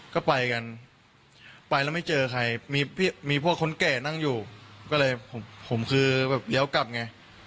ก็ไปกันไปแล้วไม่เจอใครมีพวกคนแก่นั่งอยู่ก็เลยผมคือแบบเลี้ยวกลับไง